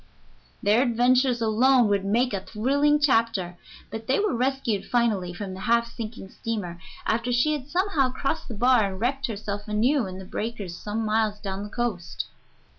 Their adventures alone would make a thrilling chapter, but they were rescued finally from the half sinking steamer, after she had somehow crossed the bar and wrecked herself anew in the breakers some miles down the coast.